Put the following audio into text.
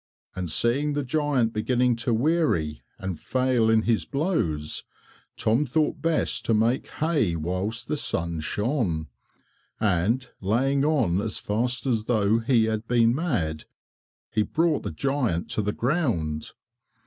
And seeing the giant beginning to weary and fail in his blows, Tom thought best to make hay whilst the sun shone, and, laying on as fast as though he had been mad, he brought the giant to the ground.